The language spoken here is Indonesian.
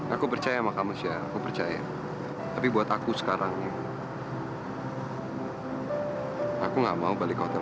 aku percaya makamu syah percaya tapi buat aku sekarang aku nggak mau balik hotel